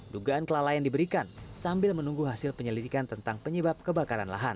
dugaan kelalaian diberikan sambil menunggu hasil penyelidikan tentang penyebab kebakaran lahan